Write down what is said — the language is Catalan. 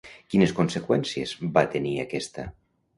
Quines conseqüències va tenir aquesta?